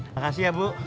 makasih ya bu